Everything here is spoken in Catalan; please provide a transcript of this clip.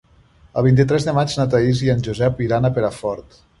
El vint-i-tres de maig na Thaís i en Josep iran a Perafort.